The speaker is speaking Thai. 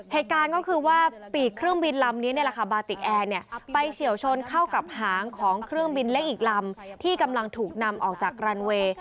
เหตุการณ์ก็คือว่าปีกเครื่องบินลำนี้บาติกแอร์ไปเฉียวชนเข้ากับหางของเครื่องบินเล็กอีกลำที่กำลังถูกนำออกจากรันเวย์